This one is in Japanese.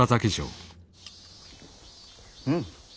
うん。